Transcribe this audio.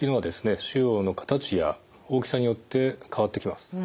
腫瘍の形や大きさによって変わってきます。